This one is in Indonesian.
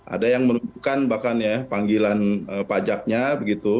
ada yang menunjukkan bahkan ya panggilan pajaknya begitu